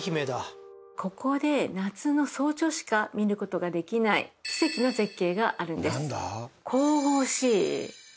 ここで夏の早朝しか見ることができない奇跡の絶景があるんです。